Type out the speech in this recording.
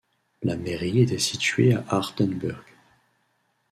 La mairie était située à Aardenburg.